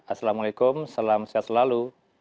assalamu'alaikum salam sehat selalu